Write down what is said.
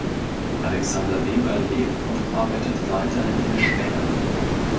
Alexander Weber lebt und arbeitet weiterhin in Spenge.